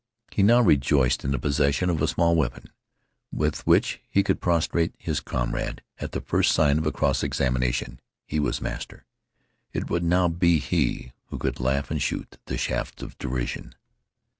He now rejoiced in the possession of a small weapon with which he could prostrate his comrade at the first signs of a cross examination. He was master. It would now be he who could laugh and shoot the shafts of derision.